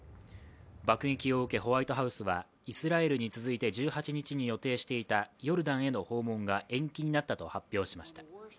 爆撃を受け、ホワイトハウスはイスラエルに続いて１８日に予定していたヨルダンへの訪問が延期になったと発表しました。